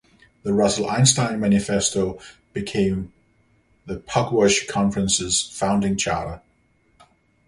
The Russell-Einstein Manifesto became the Pugwash Conferences' founding charter.